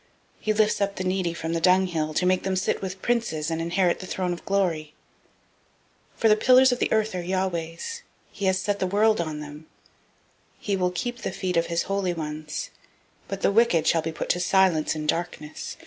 He lifts up the needy from the dunghill, To make them sit with princes, and inherit the throne of glory, for the pillars of the earth are Yahweh's. He has set the world on them. 002:009 He will keep the feet of his holy ones, but the wicked shall be put to silence in darkness; for no man shall prevail by strength.